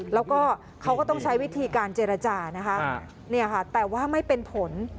แล้วก็เขาก็ต้องใช้วิธีการเจรจานะคะเนี่ยค่ะแต่ว่าไม่เป็นผล